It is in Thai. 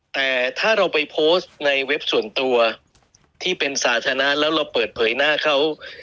แต่ถ้าเราไปโพสต์ในเว็บส่วนตัวที่เป็นสาธารณะแล้วเราเปิดเผยหน้าเขา